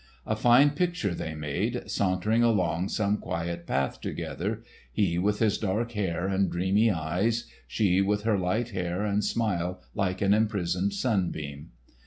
A fine picture they made, sauntering along some quiet path together, he with his dark hair and dreamy eyes, she with her light hair and smile like an imprisoned sunbeam.